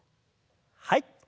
はい。